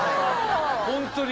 ホントに。